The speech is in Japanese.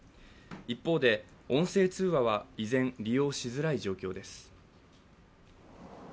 一方で、音声通話は依然、利用しづらい状況です。